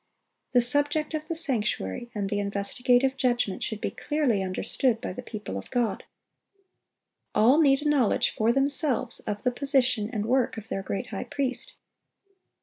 The subject of the sanctuary and the investigative judgment should be clearly understood by the people of God. All need a knowledge for themselves of the position and work of their great High Priest.